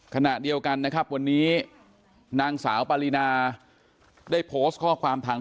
ขณะเดียวกันนะครับวันนี้นางสาวปารีนาได้โพสต์ข้อความทาง